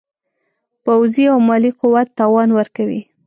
پوځي او مالي قوت توان ورکوي.